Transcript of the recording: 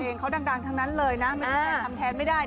เพลงเขาดังทั้งนั้นเลยนะไม่มีใครทำแทนไม่ได้